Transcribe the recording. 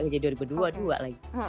jadi dua ribu dua puluh dua lagi